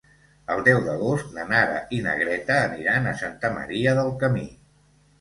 El deu d'agost na Nara i na Greta aniran a Santa Maria del Camí.